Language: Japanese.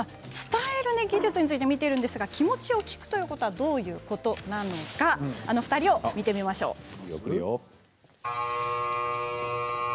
伝える技術について見ているんですが気持ちを聞くということはどういうことなのかあの２人を見てみましょう。